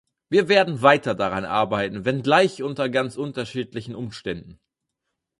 Wir werden weiter daran arbeiten, wenngleich unter ganz unterschiedlichen Umständen.